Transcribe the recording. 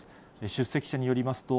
出席者によりますと、